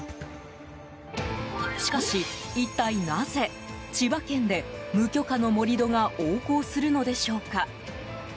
しかし、一体なぜ千葉県で無許可の盛り土が横行するのでしょうか。